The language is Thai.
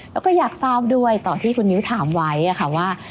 แล้วก็อยากทราบด้วยต่อที่คุณนิ้วถามไว้ค่ะว่า